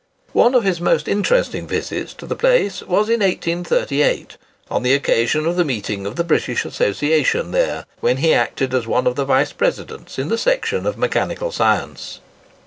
One of his most interesting visits to the place was in 1838, on the occasion of the meeting of the British Association there, when he acted as one of the Vice Presidents in the section of Mechanical Science.